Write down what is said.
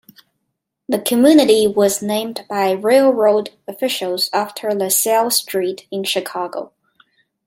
The community was named by railroad officials after LaSalle Street in Chicago.